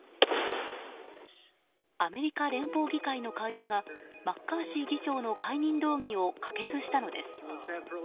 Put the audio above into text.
アメリカ連邦議会の下院がマッカーシー議長の解任動議を可決したのです。